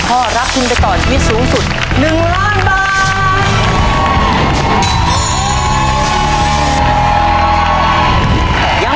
คำเอกในโครงสี่สุภาพ